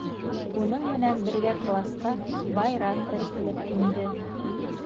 Уның менән бергә класҡа байрам эркелеп инде.